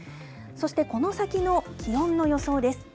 そしてこの先の気温の予想です。